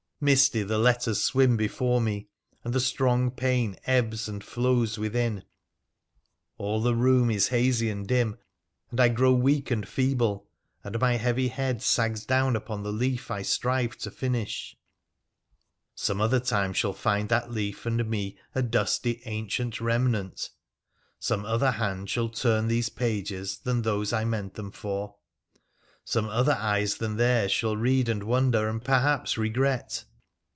Misty the letters swim before me, and the strong pain ebbs and flows within. All the room is hazy and dim, and I grow weak and feeble, and my heavy head sags down upon the leaf I strive to finish. Some other time shall find that leaf, and me a dusty, ancient remnant. Some other hand shall turn these pages than those I meant them for : some other eyes than theirs shall read and wonder, and perhaps regret.